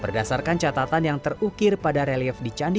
berdasarkan catatan yang terukir pada relief di candi